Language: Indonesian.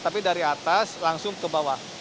tapi dari atas langsung ke bawah